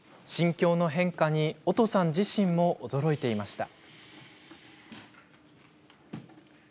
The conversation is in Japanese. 心境の変化におとさん自身も驚いていました。